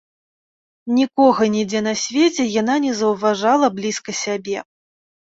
Нікога нідзе на свеце яна не заўважала блізка сябе.